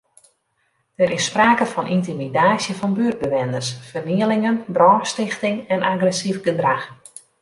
Der is sprake fan yntimidaasje fan buertbewenners, fernielingen, brânstichting en agressyf gedrach.